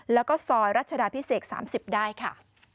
แล้วก็ซอยรัชดาพิเศษ๓๐ได้ค่ะ